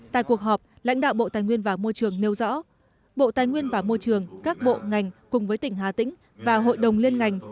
tại cuộc họp lãnh đạo bộ tài nguyên và môi trường nêu rõ bộ tài nguyên và môi trường các bộ ngành cùng với tỉnh hà tĩnh và hội đồng liên ngành